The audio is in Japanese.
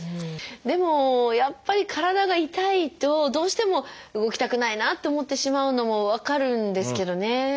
でもやっぱり体が痛いとどうしても動きたくないなって思ってしまうのも分かるんですけどね。